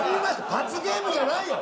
罰ゲームじゃないよ。